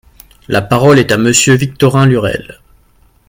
La parole est à Monsieur Victorin Lurel.